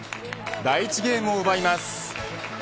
第１ゲームを奪います。